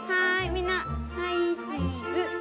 みんなはいチーズ。